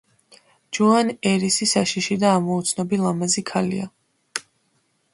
ჯოან ერისი საშიში და ამოუცნობი ლამაზი ქალია.